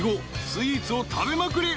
スイーツを食べまくり］